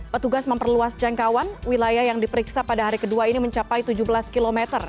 petugas memperluas jangkauan wilayah yang diperiksa pada hari kedua ini mencapai tujuh belas km